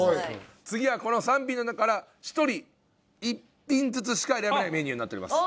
次はこの３品の中から１人１品ずつしか選べないメニューになっております